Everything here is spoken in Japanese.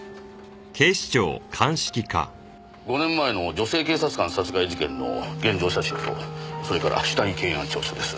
５年前の女性警察官殺害事件の現場写真とそれから死体検案調書です。